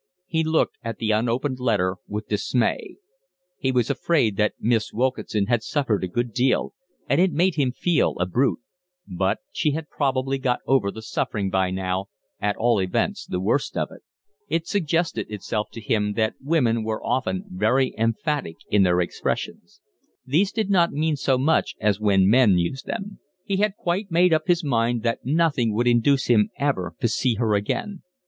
He looked at the unopened letter with dismay. He was afraid that Miss Wilkinson had suffered a good deal, and it made him feel a brute; but she had probably got over the suffering by now, at all events the worst of it. It suggested itself to him that women were often very emphatic in their expressions. These did not mean so much as when men used them. He had quite made up his mind that nothing would induce him ever to see her again.